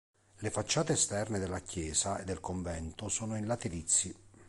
Le facciate esterne della chiesa e del convento sono in laterizi.